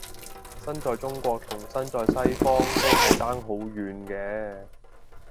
身在中國同身在西方都係爭好遠嘅